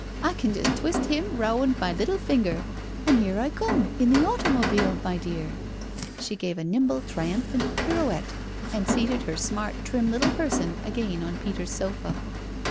I can just twist 'im reaund my little finger — an' 'ere I come in the hautomobile, my dear I'* She gave a nimble triumphant pirouette and seated her smart, trim little person again on Peter's sofa.